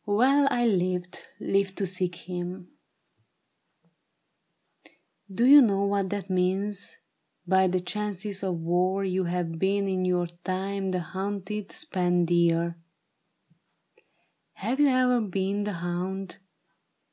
" Well, I lived— lived to seek him. Do you know what that means ? By the chances of war You have been in your time the hunted, spent deer; Have you e'er been the hound